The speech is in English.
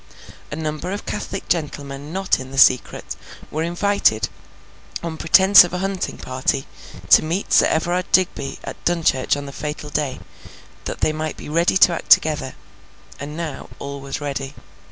A number of Catholic gentlemen not in the secret, were invited, on pretence of a hunting party, to meet Sir Everard Digby at Dunchurch on the fatal day, that they might be ready to act together. And now all was ready.